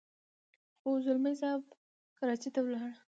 خو ځلمی صاحب کراچۍ ته ولاړ.